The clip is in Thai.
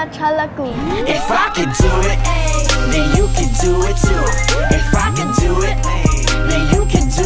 ฉันรักคุณ